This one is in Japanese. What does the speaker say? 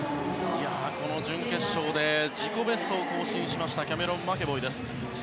この準決勝で自己ベストを更新しましたキャメロン・マケボイです。